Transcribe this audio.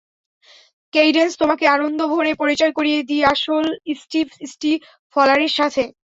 Cadence, তোমাকে আনন্দভরে পরিচয় করিয়ে দিই আসল স্টিভ স্টিফলারের সাথে।